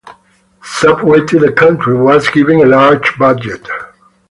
"Subway to the Country" was given a larger budget.